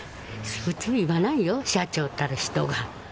普通言わないよ、社長たる人が。